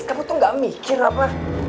kamu tuh gak mikir apa